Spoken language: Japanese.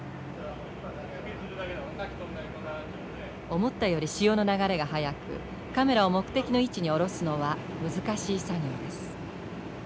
思ったより潮の流れが速くカメラを目的の位置に下ろすのは難しい作業です。